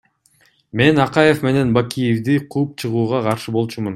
Мен Акаев менен Бакиевди кууп чыгууга каршы болчумун.